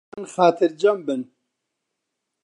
خەڵکی ئێران خاترجەم بن